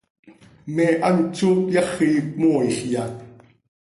¿Me hant zó cyaxi cömooixya?